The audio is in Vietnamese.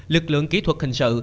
lực lượng kỹ thuật hình sự